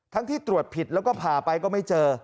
ที่ตรวจผิดแล้วก็ผ่าไปก็ไม่เจอ